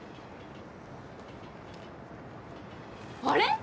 あれ？